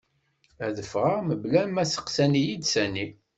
Ad fɣeɣ mebla ma steqsan-iyi-d sani.